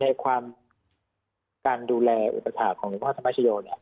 ในความการดูแลอุบาสของหลวงพ่อธรรมชโยครับ